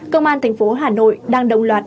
công an thành phố hà nội đang đồng loạt